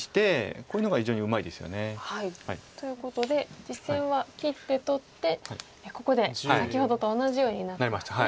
こういうのが非常にうまいですよね。ということで実戦は切って取ってここで先ほどと同じようになってますね。